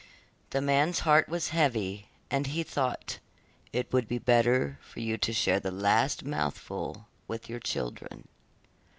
The man's heart was heavy, and he thought: 'It would be better for you to share the last mouthful with your children.